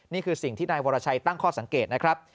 นี่คือสิ่งที่นายวรชัยตั้งข้อสังเกตนะครับ